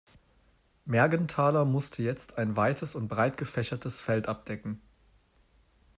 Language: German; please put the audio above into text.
Mergenthaler musste jetzt ein weites und breit gefächertes Feld abdecken.